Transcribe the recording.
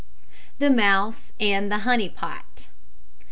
THE MOUSE AND THE HONEY POT.